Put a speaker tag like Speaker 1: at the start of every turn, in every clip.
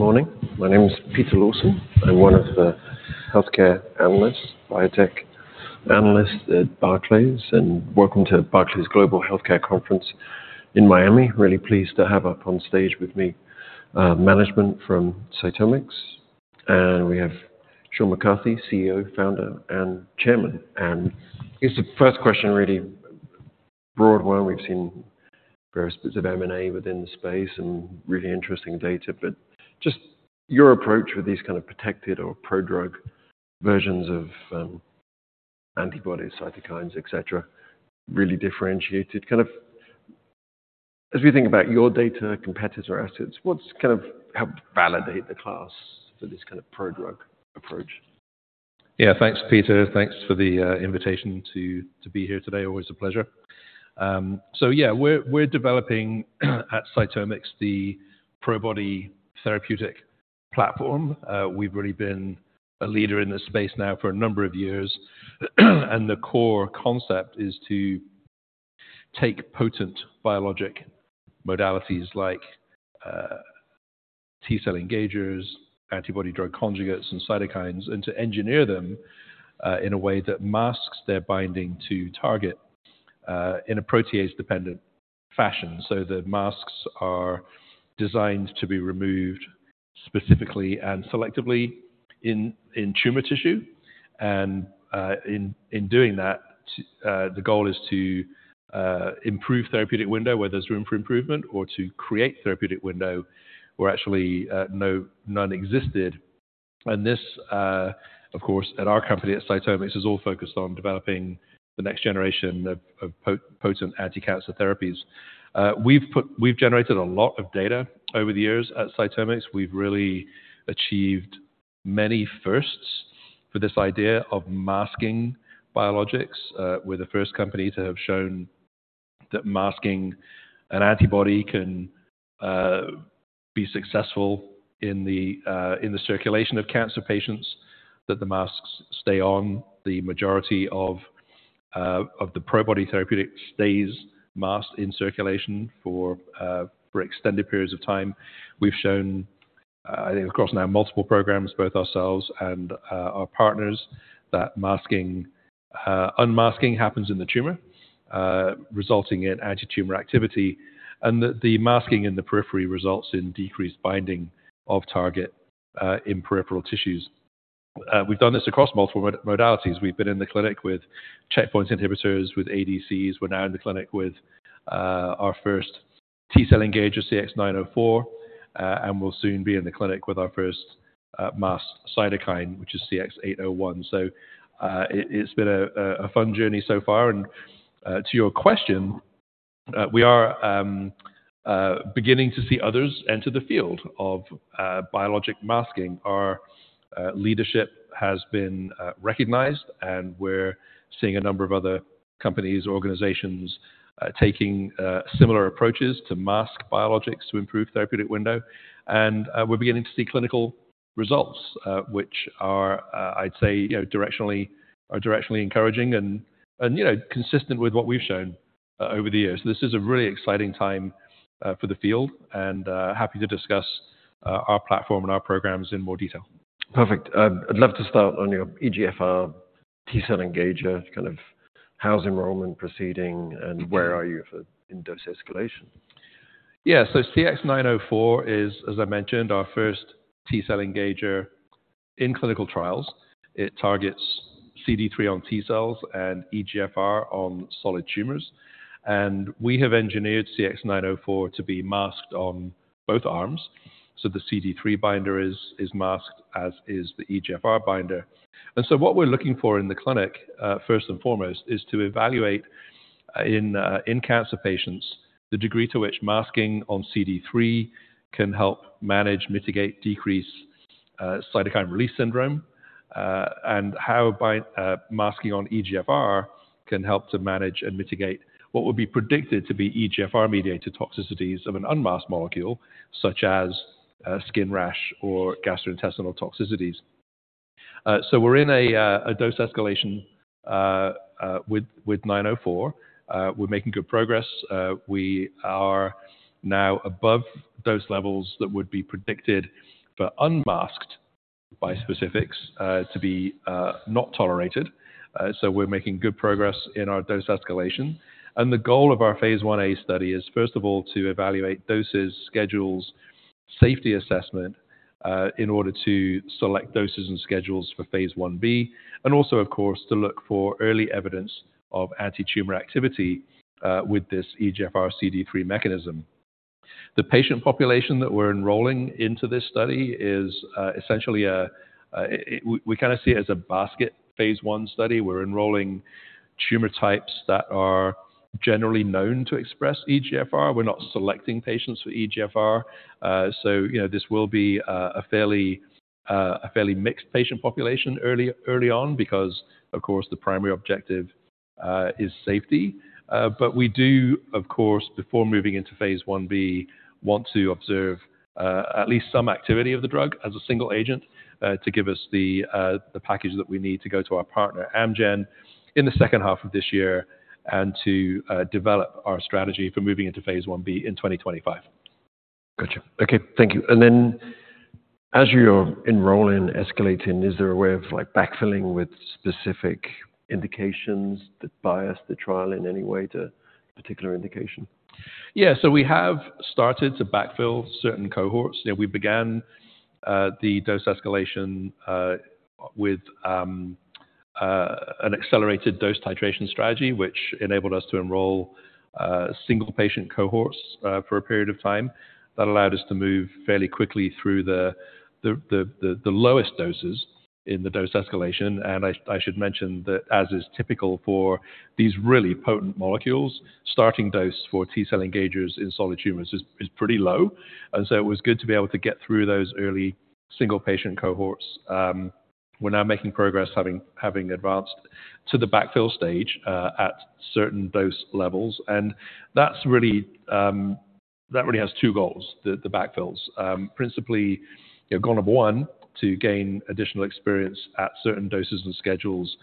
Speaker 1: Good morning. My name's Peter Lawson. I'm one of the healthcare analysts, biotech analysts at Barclays, and welcome to Barclays Global Healthcare Conference in Miami. Really pleased to have up on stage with me, management from CytomX, and we have Sean McCarthy, CEO, founder, and chairman. It's the first question, really, a broad one. We've seen various bits of M&A within the space and really interesting data, but just your approach with these kind of protected or prodrug versions of antibodies, cytokines, etc., really differentiated. Kind of as we think about your data, competitor assets, what's kind of helped validate the class for this kind of prodrug approach?
Speaker 2: Yeah, thanks, Peter. Thanks for the invitation to be here today. Always a pleasure. So yeah, we're developing at CytomX the Probody Therapeutic platform. We've really been a leader in this space now for a number of years, and the core concept is to take potent biologic modalities like T-cell engagers, antibody-drug conjugates, and cytokines and to engineer them in a way that masks their binding to target in a protease-dependent fashion. So the masks are designed to be removed specifically and selectively in tumor tissue. And in doing that, the goal is to improve therapeutic window, whether there's room for improvement, or to create therapeutic window where actually none existed. And this, of course, at our company at CytomX is all focused on developing the next generation of important anticancer therapies. We've generated a lot of data over the years at CytomX. We've really achieved many firsts for this idea of masking biologics. We're the first company to have shown that masking an antibody can be successful in the circulation of cancer patients, that the masks stay on. The majority of the Probody Therapeutic stays masked in circulation for extended periods of time. We've shown, I think across now multiple programs, both ourselves and our partners, that masking unmasking happens in the tumor, resulting in anti-tumor activity, and that the masking in the periphery results in decreased binding of target in peripheral tissues. We've done this across multiple modalities. We've been in the clinic with checkpoint inhibitors, with ADCs. We're now in the clinic with our first T-cell engager, CX-904, and we'll soon be in the clinic with our first masked cytokine, which is CX-801. So, it's been a fun journey so far. To your question, we are beginning to see others enter the field of biologic masking. Our leadership has been recognized, and we're seeing a number of other companies, organizations, taking similar approaches to mask biologics to improve therapeutic window. We're beginning to see clinical results, which are, I'd say, you know, directionally are directionally encouraging and, you know, consistent with what we've shown over the years. So this is a really exciting time for the field, and happy to discuss our platform and our programs in more detail.
Speaker 1: Perfect. I'd love to start on your EGFR T-cell engager, kind of how's enrollment proceeding, and where are you in dose escalation?
Speaker 2: Yeah, so CX-904 is, as I mentioned, our first T-cell engager in clinical trials. It targets CD3 on T cells and EGFR on solid tumors. And we have engineered CX-904 to be masked on both arms, so the CD3 binder is masked as is the EGFR binder. And so what we're looking for in the clinic, first and foremost, is to evaluate in cancer patients the degree to which masking on CD3 can help manage, mitigate, decrease cytokine release syndrome, and how binder masking on EGFR can help to manage and mitigate what would be predicted to be EGFR-mediated toxicities of an unmasked molecule, such as skin rash or gastrointestinal toxicities. So we're in a dose escalation with 904. We're making good progress. We are now above dose levels that would be predicted, but unmasked bispecifics, to be not tolerated. So we're making good progress in our dose escalation. The goal of our phase I-A study is, first of all, to evaluate doses, schedules, safety assessment, in order to select doses and schedules for phase I-B, and also, of course, to look for early evidence of anti-tumor activity, with this EGFR CD3 mechanism. The patient population that we're enrolling into this study is essentially a basket phase I study. We're enrolling tumor types that are generally known to express EGFR. We're not selecting patients for EGFR. So, you know, this will be a fairly mixed patient population early on because, of course, the primary objective is safety. We do, of course, before moving into phase I-B, want to observe, at least some activity of the drug as a single agent, to give us the package that we need to go to our partner, Amgen, in the second half of this year and to develop our strategy for moving into phase I-B in 2025.
Speaker 1: Gotcha. Okay. Thank you. And then as you're enrolling, escalating, is there a way of, like, backfilling with specific indications that bias the trial in any way to a particular indication?
Speaker 2: Yeah, so we have started to backfill certain cohorts. You know, we began the dose escalation with an accelerated dose titration strategy, which enabled us to enroll single-patient cohorts for a period of time. That allowed us to move fairly quickly through the lowest doses in the dose escalation. And I should mention that, as is typical for these really potent molecules, starting dose for T-cell engagers in solid tumors is pretty low. And so it was good to be able to get through those early single-patient cohorts. We're now making progress having advanced to the backfill stage at certain dose levels. And that's really that really has two goals, the backfills. Principally, you know, going above one to gain additional experience at certain doses and schedules,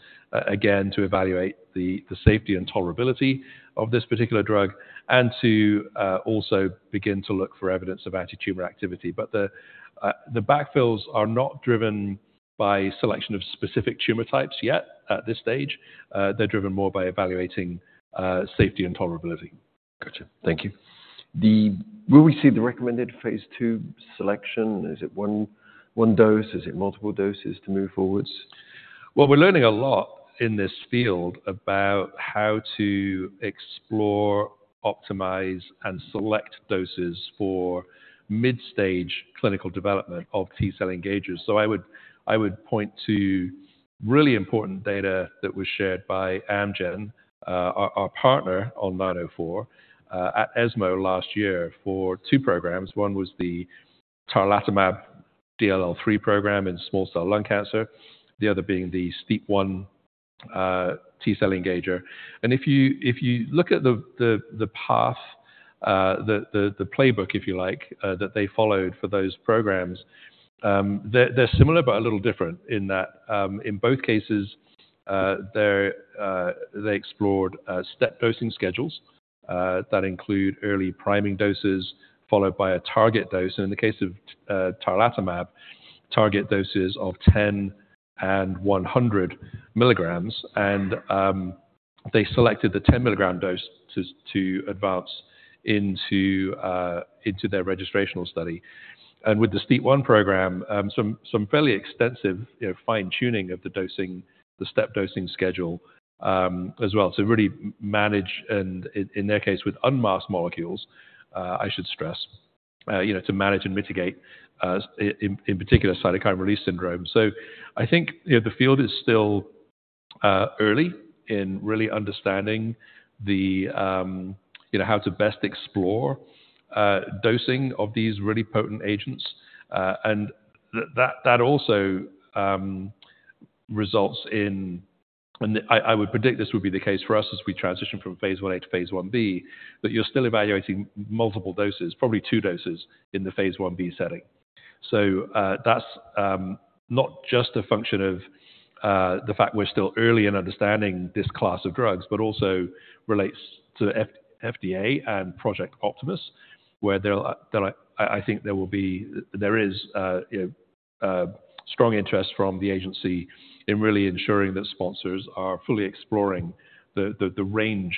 Speaker 2: again, to evaluate the safety and tolerability of this particular drug and to also begin to look for evidence of anti-tumor activity. But the backfills are not driven by selection of specific tumor types yet at this stage. They're driven more by evaluating safety and tolerability.
Speaker 1: Gotcha. Thank you. Will we see the recommended phase II selection? Is it one dose? Is it multiple doses to move forward?
Speaker 2: Well, we're learning a lot in this field about how to explore, optimize, and select doses for mid-stage clinical development of T-cell engagers. So I would, I would point to really important data that was shared by Amgen, our, our partner on 904, at ESMO last year for two programs. One was the tarlatamab DLL3 program in small cell lung cancer, the other being the STEAP1 T-cell engager. And if you look at the path, the playbook, if you like, that they followed for those programs, they're similar but a little different in that, in both cases, they explored step dosing schedules that include early priming doses followed by a target dose. And in the case of tarlatamab, target doses of 10 and 100 milligrams. And they selected the 10 milligram dose to advance into their registrational study. And with the STEP1 program, some fairly extensive, you know, fine-tuning of the dosing, the step dosing schedule, as well to really manage and in their case with unmasked molecules, I should stress, you know, to manage and mitigate, in particular cytokine release syndrome. So I think, you know, the field is still early in really understanding the, you know, how to best explore dosing of these really potent agents. And that also results in and I would predict this would be the case for us as we transition from phase I-A to phase I-B, that you're still evaluating multiple doses, probably two doses, in the phase I-B setting. So, that's not just a function of the fact we're still early in understanding this class of drugs, but also relates to FDA and Project Optimus, where I think there is, you know, strong interest from the agency in really ensuring that sponsors are fully exploring the range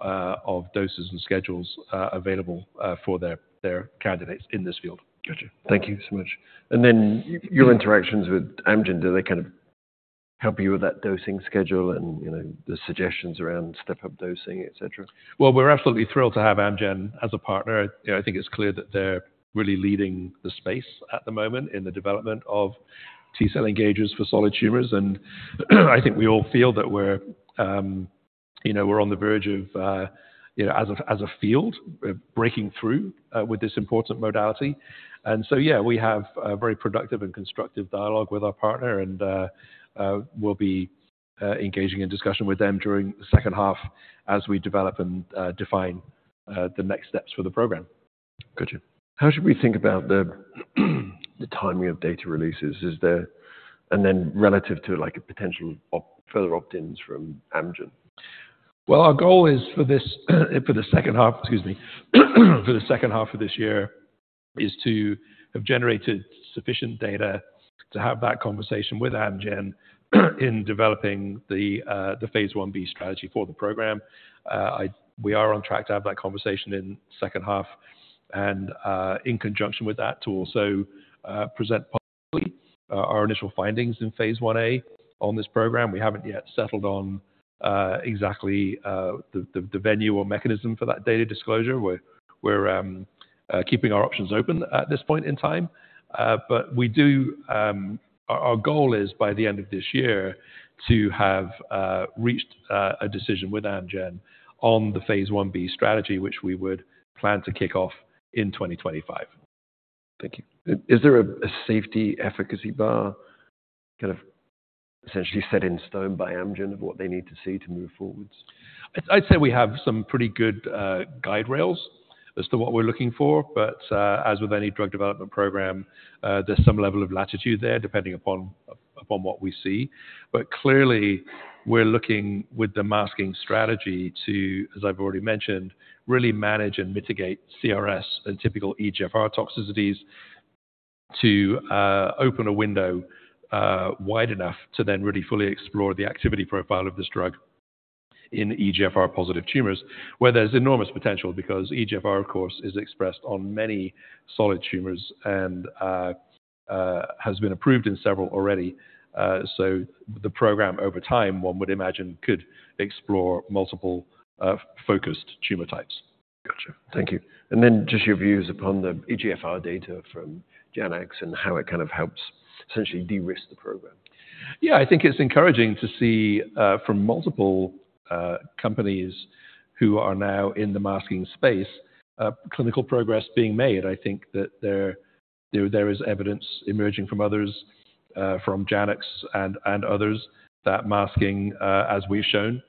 Speaker 2: of doses and schedules available for their candidates in this field.
Speaker 1: Gotcha. Thank you so much. And then your interactions with Amgen, do they kind of help you with that dosing schedule and, you know, the suggestions around step-up dosing, etc.?
Speaker 2: Well, we're absolutely thrilled to have Amgen as a partner. I, you know, I think it's clear that they're really leading the space at the moment in the development of T-cell engagers for solid tumors. I think we all feel that we're, you know, we're on the verge of, you know, as a field, we're breaking through with this important modality. So yeah, we have a very productive and constructive dialogue with our partner, and we'll be engaging in discussion with them during the second half as we develop and define the next steps for the program.
Speaker 1: Gotcha. How should we think about the timing of data releases? Is there, and then relative to, like, a potential or further opt-ins from Amgen?
Speaker 2: Well, our goal for the second half of this year is to have generated sufficient data to have that conversation with Amgen in developing the phase I-B strategy for the program. We are on track to have that conversation in the second half and, in conjunction with that, to also present publicly our initial findings in phase I-A on this program. We haven't yet settled on exactly the venue or mechanism for that data disclosure. We're keeping our options open at this point in time. But our goal is by the end of this year to have reached a decision with Amgen on the phase I-B strategy, which we would plan to kick off in 2025.
Speaker 1: Thank you. Is there a safety efficacy bar kind of essentially set in stone by Amgen of what they need to see to move forwards?
Speaker 2: As I'd say we have some pretty good guardrails as to what we're looking for. But, as with any drug development program, there's some level of latitude there depending upon what we see. But clearly, we're looking with the masking strategy to, as I've already mentioned, really manage and mitigate CRS and typical EGFR toxicities to open a window wide enough to then really fully explore the activity profile of this drug in EGFR-positive tumors, where there's enormous potential because EGFR, of course, is expressed on many solid tumors and has been approved in several already. So the program, over time, one would imagine, could explore multiple focused tumor types.
Speaker 1: Gotcha. Thank you. Then just your views upon the EGFR data from Janux and how it kind of helps essentially de-risk the program?
Speaker 2: Yeah, I think it's encouraging to see, from multiple companies who are now in the masking space, clinical progress being made. I think that there is evidence emerging from others, from Janux and others that masking, as we've shown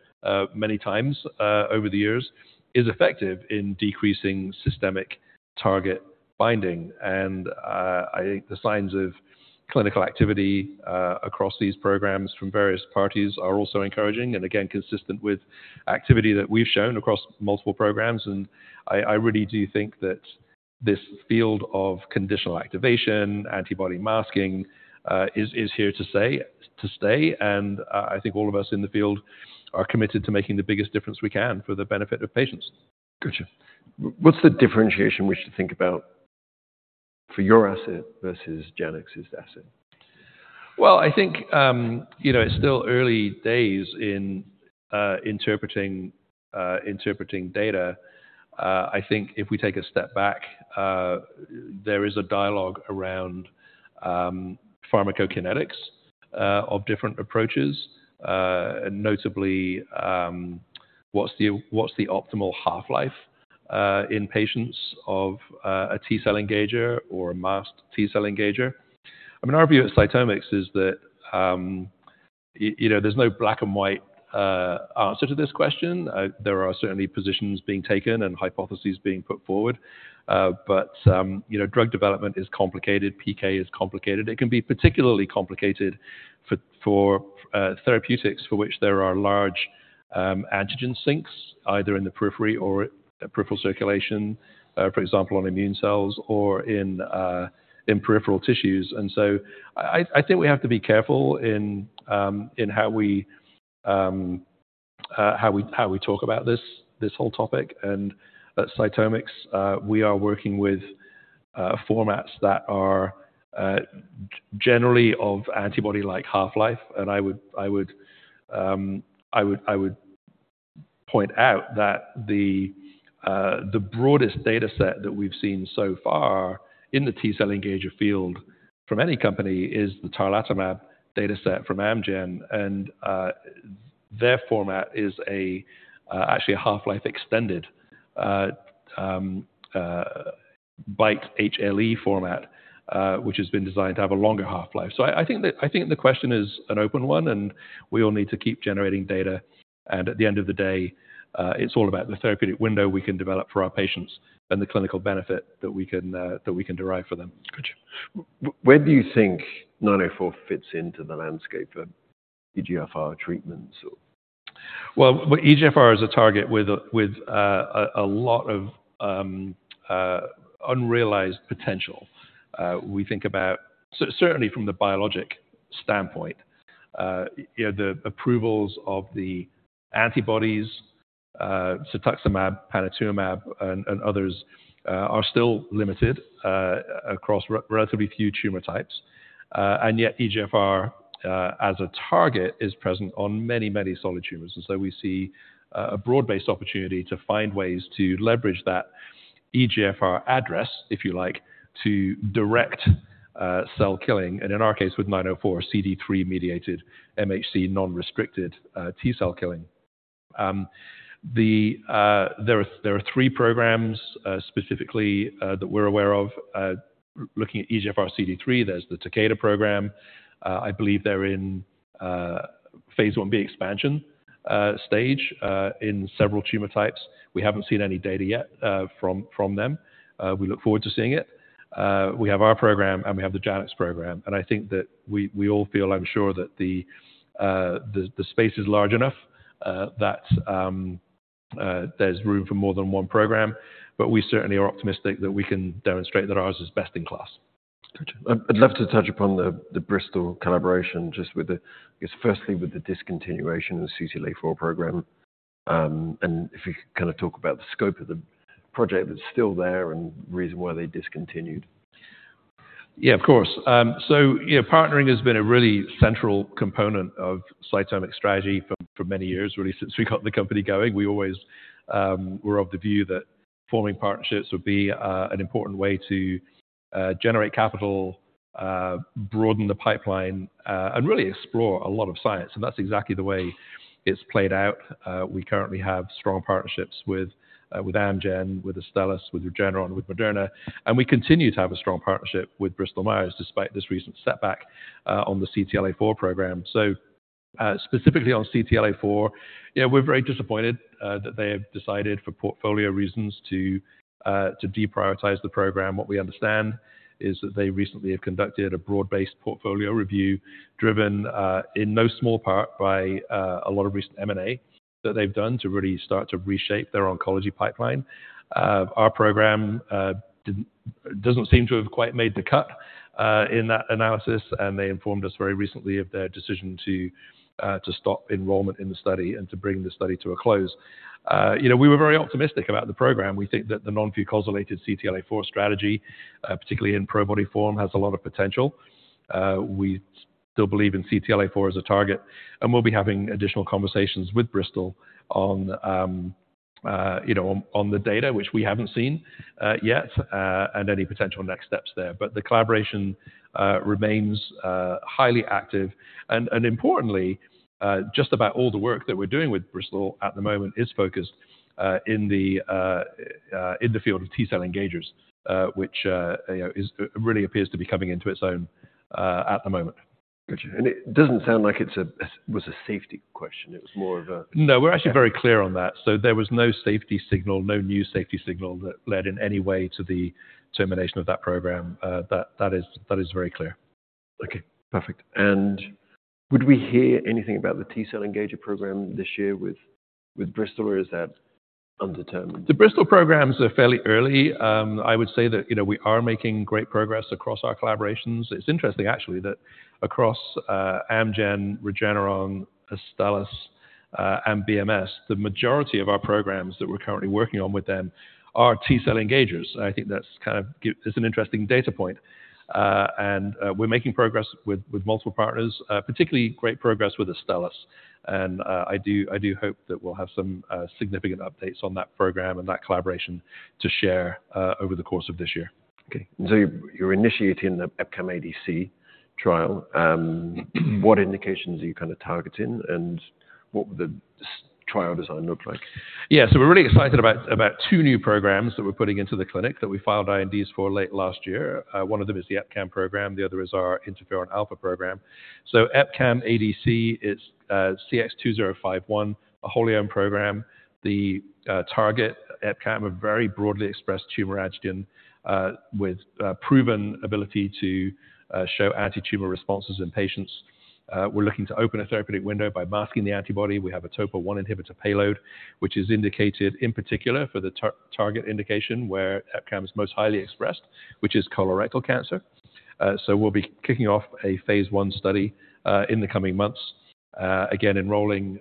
Speaker 2: many times over the years, is effective in decreasing systemic target binding. And I think the signs of clinical activity across these programs from various parties are also encouraging and, again, consistent with activity that we've shown across multiple programs. And I really do think that this field of conditional activation, antibody masking, is here to stay. And I think all of us in the field are committed to making the biggest difference we can for the benefit of patients.
Speaker 1: Gotcha. What's the differentiation we should think about for your asset versus Janux asset?
Speaker 2: Well, I think, you know, it's still early days in interpreting data. I think if we take a step back, there is a dialogue around pharmacokinetics of different approaches, notably, what's the optimal half-life in patients of a T-cell engager or a masked T-cell engager. I mean, our view at CytomX is that, you know, there's no black-and-white answer to this question. There are certainly positions being taken and hypotheses being put forward. But, you know, drug development is complicated. PK is complicated. It can be particularly complicated for therapeutics for which there are large antigen sinks either in the periphery or in peripheral circulation, for example, on immune cells or in peripheral tissues. And so I think we have to be careful in how we talk about this whole topic. And at CytomX, we are working with formats that are generally of antibody-like half-life. And I would point out that the broadest dataset that we've seen so far in the T-cell engager field from any company is the tarlatamab dataset from Amgen. And their format is actually a half-life extended BiTE HLE format, which has been designed to have a longer half-life. So I think the question is an open one, and we all need to keep generating data. And at the end of the day, it's all about the therapeutic window we can develop for our patients and the clinical benefit that we can derive for them.
Speaker 1: Gotcha. Where do you think 904 fits into the landscape of EGFR treatments or?
Speaker 2: Well, EGFR is a target with a lot of unrealized potential. We think about certainly from the biologic standpoint, you know, the approvals of the antibodies, cetuximab, panitumumab, and others, are still limited across relatively few tumor types. And yet EGFR, as a target, is present on many solid tumors. And so we see a broad-based opportunity to find ways to leverage that EGFR address, if you like, to direct cell killing. And in our case, with 904, CD3-mediated MHC-independent T-cell killing. There are three programs, specifically, that we're aware of looking at EGFR CD3. There's the Takeda program. I believe they're in phase I-B expansion stage in several tumor types. We haven't seen any data yet from them. We look forward to seeing it. We have our program, and we have the Janux program. And I think that we all feel, I'm sure, that the space is large enough, that there's room for more than one program. But we certainly are optimistic that we can demonstrate that ours is best in class.
Speaker 1: Gotcha. I'd love to touch upon the Bristol collaboration just with, I guess, firstly, with the discontinuation of the CTLA-4 program. If you could kind of talk about the scope of the project that's still there and the reason why they discontinued.
Speaker 2: Yeah, of course. So, you know, partnering has been a really central component of CytomX strategy for, for many years, really, since we got the company going. We always were of the view that forming partnerships would be an important way to generate capital, broaden the pipeline, and really explore a lot of science. And that's exactly the way it's played out. We currently have strong partnerships with Amgen, with Astellas, with Regeneron, with Moderna. And we continue to have a strong partnership with Bristol Myers despite this recent setback on the CTLA-4 program. So, specifically on CTLA-4, you know, we're very disappointed that they have decided for portfolio reasons to deprioritize the program. What we understand is that they recently have conducted a broad-based portfolio review driven, in no small part by, a lot of recent M&A that they've done to really start to reshape their oncology pipeline. Our program didn't seem to have quite made the cut in that analysis. And they informed us very recently of their decision to stop enrollment in the study and to bring the study to a close. You know, we were very optimistic about the program. We think that the non-fucosylated CTLA-4 strategy, particularly in Probody form, has a lot of potential. We still believe in CTLA-4 as a target. And we'll be having additional conversations with Bristol on, you know, the data, which we haven't seen yet, and any potential next steps there. But the collaboration remains highly active. Importantly, just about all the work that we're doing with Bristol at the moment is focused in the field of T-cell engagers, which, you know, really appears to be coming into its own at the moment.
Speaker 1: Gotcha. It doesn't sound like it was a safety question. It was more of a.
Speaker 2: No, we're actually very clear on that. So there was no safety signal, no new safety signal that led in any way to the termination of that program. That is very clear.
Speaker 1: Okay. Perfect. Would we hear anything about the T-cell engager program this year with Bristol, or is that undetermined?
Speaker 2: The Bristol programs are fairly early. I would say that, you know, we are making great progress across our collaborations. It's interesting, actually, that across Amgen, Regeneron, Astellas, and BMS, the majority of our programs that we're currently working on with them are T-cell engagers. I think that's kind of give it's an interesting data point. We're making progress with multiple partners, particularly great progress with Astellas. I do hope that we'll have some significant updates on that program and that collaboration to share over the course of this year.
Speaker 1: Okay. And so you're, you're initiating the EpCAM ADC trial. What indications are you kind of targeting, and what would the trial design look like?
Speaker 2: Yeah, so we're really excited about two new programs that we're putting into the clinic that we filed INDs for late last year. One of them is the EpCAM program. The other is our interferon alpha program. So EpCAM ADC is CX-2051, a wholly-owned program. The target EpCAM of very broadly expressed tumor antigen, with proven ability to show anti-tumor responses in patients. We're looking to open a therapeutic window by masking the antibody. We have a topoisomerase I inhibitor payload, which is indicated in particular for the target indication where EpCAM is most highly expressed, which is colorectal cancer. So we'll be kicking off a phase I study in the coming months, again, enrolling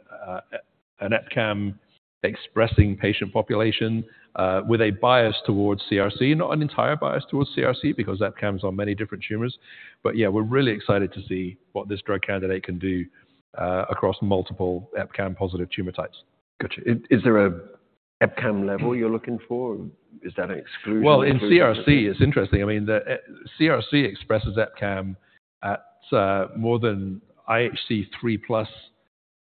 Speaker 2: an EpCAM expressing patient population, with a bias towards CRC, not an entire bias towards CRC because EpCAM's on many different tumors. But yeah, we're really excited to see what this drug candidate can do, across multiple EpCAM-positive tumor types.
Speaker 1: Gotcha. Is there an EpCAM level you're looking for, or is that an exclusion?
Speaker 2: Well, in CRC, it's interesting. I mean, the CRC expresses EpCAM at more than IHC 3+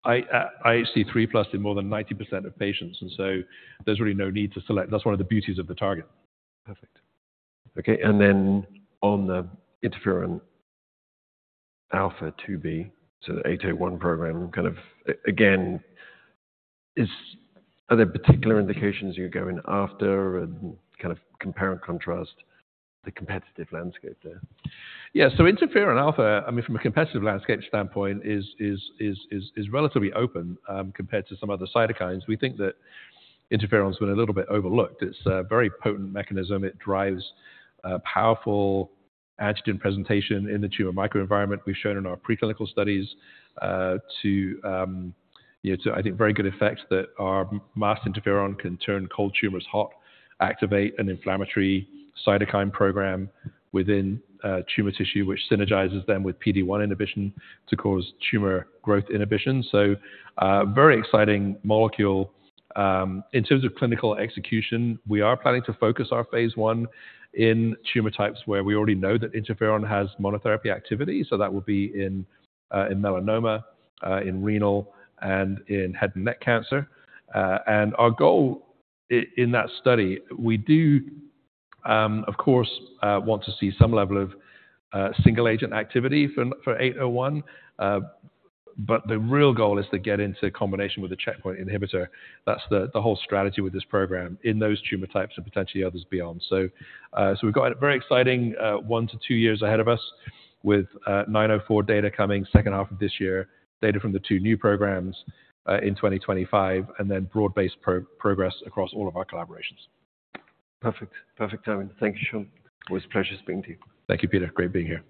Speaker 2: in more than 90% of patients. And so there's really no need to select. That's one of the beauties of the target.
Speaker 1: Perfect. Okay. And then on the interferon alpha-2b, so the 801 program, kind of again, are there particular indications you're going after and kind of compare and contrast the competitive landscape there?
Speaker 2: Yeah, so interferon alpha, I mean, from a competitive landscape standpoint, is relatively open, compared to some other cytokines. We think that interferons have been a little bit overlooked. It's a very potent mechanism. It drives powerful adjuvant presentation in the tumor microenvironment. We've shown in our preclinical studies to you know to I think very good effects that our masked interferon can turn cold tumors hot, activate an inflammatory cytokine program within tumor tissue, which synergizes them with PD1 inhibition to cause tumor growth inhibition. So, very exciting molecule. In terms of clinical execution, we are planning to focus our phase I in tumor types where we already know that interferon has monotherapy activity. So that will be in melanoma, in renal, and in head and neck cancer. Our goal in that study, we do, of course, want to see some level of single-agent activity for CX-801. But the real goal is to get into combination with a checkpoint inhibitor. That's the whole strategy with this program in those tumor types and potentially others beyond. So we've got a very exciting one-two years ahead of us with CX-904 data coming second half of this year, data from the two new programs in 2025, and then broad-based progress across all of our collaborations.
Speaker 1: Perfect. Perfect, Time. Thank you, Sean. Always a pleasure speaking to you.
Speaker 2: Thank you, Peter. Great being here.